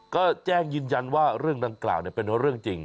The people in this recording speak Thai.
ก็แจ้งยืนยันว่าเรื่องดังกล่าวเป็นเรื่องจริง